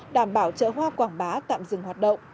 đảm bảo chợ hoa quảng bá tạm dừng hoạt động